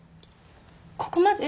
ここまで？